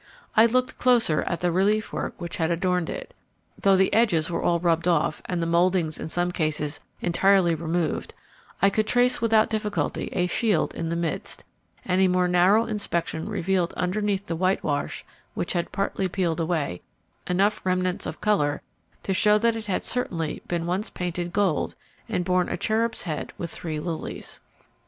I looked closer at the relief work which had adorned it. Though the edges were all rubbed off, and the mouldings in some cases entirely removed, I could trace without difficulty a shield in the midst; and a more narrow inspection revealed underneath the whitewash, which had partly peeled away, enough remnants of colour to show that it had certainly been once painted gold and borne a cherub's head with three lilies.